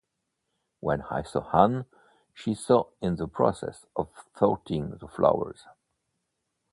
When I saw Ann, she was in the process of sorting the flowers.